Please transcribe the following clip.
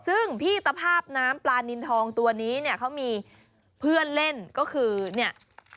ซึ่งพี่ตภาพน้ำปลานินทองตัวนี้เนี่ยเขามีเพื่อนเล่นก็คือเนี่ย